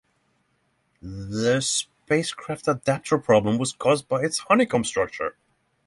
The spacecraft adapter problem was caused by its honeycomb structure.